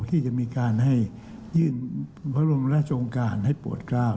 ที่จะมีการให้ยื่นพระบรมราชองค์การให้โปรดกล้าว